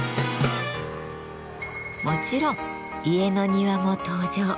もちろん家の庭も登場。